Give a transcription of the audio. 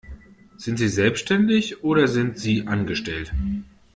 Sind sie selbstständig oder sind sie Angestellt?